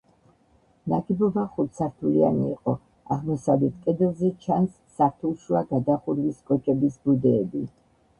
ნაგებობა ხუთსართულიანი იყო, აღმოსავლეთ კედელზე ჩანს სართულშუა გადახურვის კოჭების ბუდეები.